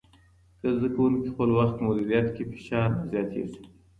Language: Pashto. که زده کوونکي خپل وخت مدیریت کړي، فشار نه زیاتېږي.